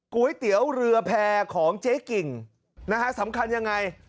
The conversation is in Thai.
ก๋วยเตี๋ยวเรือแพร่ของเจ๊กิ่งนะฮะสำคัญยังไง